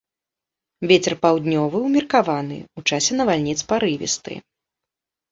Вецер паўднёвы ўмеркаваны, у часе навальніц парывісты.